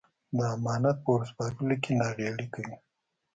د امانت په ور سپارلو کې ناغېړي کوي.